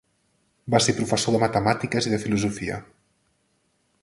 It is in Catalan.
Va ser professor de matemàtiques i de filosofia.